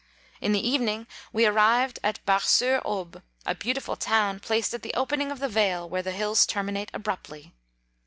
In the evening we arrived at Bar* 29 sur Aube, a beautiful town, placed at the opening of the vale where the hills terminate abruptly.